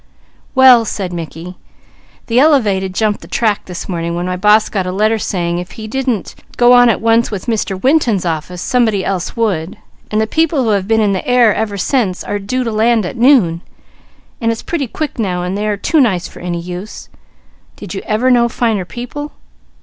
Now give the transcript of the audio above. "Well," said Mickey, "the elevated jumped the track this morning when my boss got a letter saying if he didn't go on at once with Mr. Winton's office, somebody else would; and the people who have been in the air ever since are due to land at noon, and it's pretty quick now, and they are too nice for any use. Did you ever know finer people?"